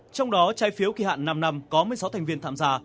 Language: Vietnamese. trong đó trái phiếu kỳ hạn năm năm có một mươi sáu thành viên tham gia